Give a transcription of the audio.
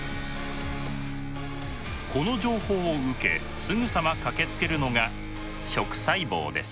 この情報を受けすぐさま駆けつけるのが「食細胞」です。